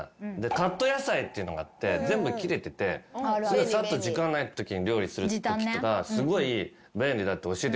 カット野菜っていうのがあって全部切れててサッと時間ないときに料理するときとかすごい便利だって教えてくれたのよ。